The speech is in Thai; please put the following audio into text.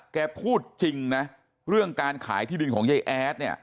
พูดจริงนะเรื่องการขายที่ดินของยายแอดเนี่ย